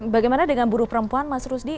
bagaimana dengan buruh perempuan mas rusdi